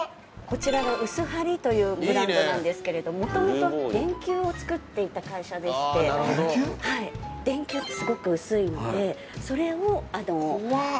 ・こちらが「うすはり」というブランドなんですけれども元々電球を作っていた会社でしてはい電球ってすごく薄いのでそれを怖っ！